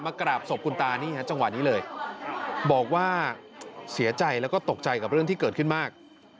กราบศพคุณตานี่ฮะจังหวะนี้เลยบอกว่าเสียใจแล้วก็ตกใจกับเรื่องที่เกิดขึ้นมาก